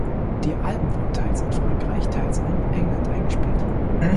Die Alben wurden teils in Frankreich, teils in England eingespielt.